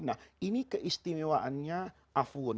nah ini keistimewaannya afun